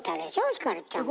ひかるちゃんも。